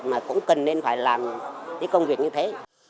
mà cũng cần nên phải làm cái công việc như thế